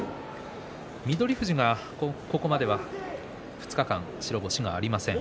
翠富士が、ここまでは２日間白星がありません。